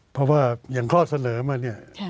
เพราะว่าอย่างข้อเสนอมาเนี่ย